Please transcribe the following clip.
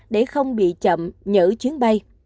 để không bị chậm nhỡ chuyến bay